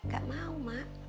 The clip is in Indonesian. gak mau mak